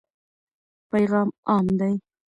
پیغام عام دی.